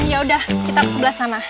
yaudah kita ke sebelah sana